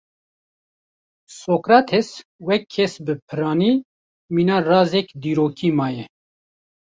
Sokrates wek kes bi piranî mîna razek dîrokî maye.